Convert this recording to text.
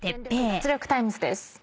脱力タイムズ』です。